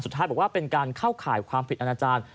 สุดท้ายบอกว่าเป็นการเข้าข่ายความผิดอาณาจารย์